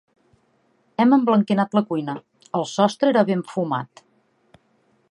Hem emblanquinat la cuina: el sostre era ben fumat.